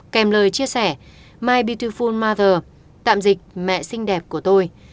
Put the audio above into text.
kèm lời chia sẻ my beautiful mother tạm dịch mẹ xinh đẹp của tôi